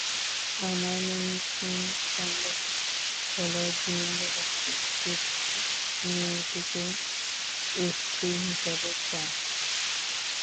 আমার মনে ক্ষীণ সন্দেহ হল-জিন বোধহয় লতিফ মেয়েটিকেই স্ত্রী হিসেবে চায়।